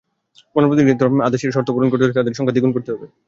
গণপ্রতিনিধিত্ব অাদেশের শর্ত পূরণ করতে হলে তাদের সংখ্যা দ্বিগুণ করতে হবে।